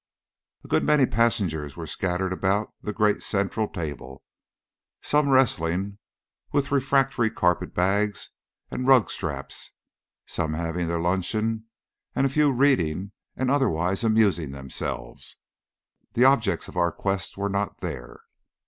A good many passengers were scattered about the great central table, some wrestling with refractory carpet bags and rug straps, some having their luncheon, and a few reading and otherwise amusing themselves. The objects of our quest were not there.